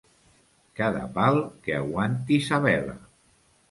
Cada pal que aguanti sa vela.